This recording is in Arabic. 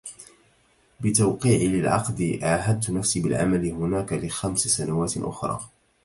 بتوقيعي للعقد، عاهدت نفسي بالعمل هناك لخمس سنوات أخرى.